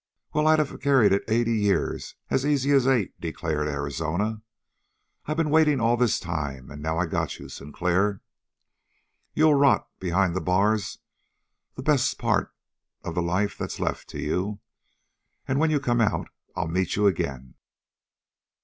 "Well, I'd have carried it eighty years as easy as eight," declared Arizona. "I been waiting all this time, and now I got you, Sinclair. You'll rot behind the bars the best part of the life that's left to you. And when you come out I'll meet you ag'in!"